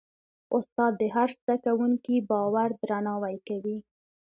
استاد د هر زده کوونکي باور درناوی کوي.